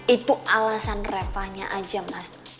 itu alasan refahnya aja mas